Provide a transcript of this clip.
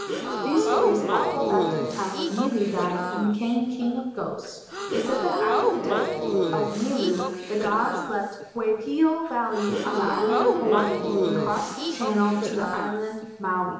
These stories all go back to the time when Milu died and be¬ came the king of ghosts. They say that after the death of Milu the gods left Waipio Valley on the island of Hawaii and crossed the channel to the island Maui.